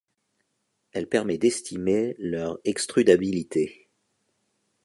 Elle permet d'estimer leur extrudabilité.